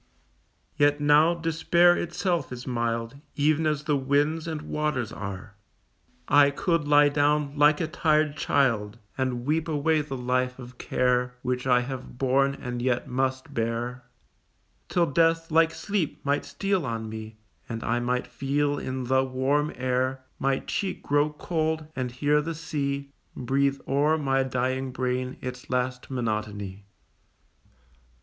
Yet now despair itself is mild, Even as the winds and waters are; I could lie down like a tired child, And weep away the life of care Which I have born and yet must bear, Till death like sleep might steal on me, And I might feel in the warm air My cheek grow cold, and hear the sea Breathe o'er my dying brain its last monotony.